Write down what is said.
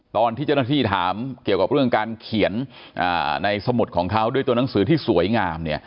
ตอนที่เจ้าหน้าที่ถามเกี่ยวกับเรื่องการเขียนในสมุดของเขาด้วยตัวหนังสือที่สวยงาม